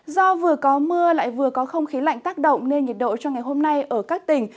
do vừa có mưa lại vừa có không khí lạnh tác động nên nhiệt độ cho ngày hôm nay ở các tỉnh